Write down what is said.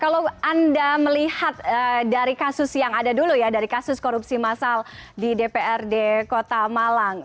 kalau anda melihat dari kasus yang ada dulu ya dari kasus korupsi massal di dprd kota malang